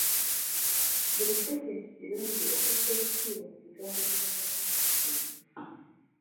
Bulijjo kintu kirungi okussa ekitiibwa mu bitongole bya gavumenti byonna.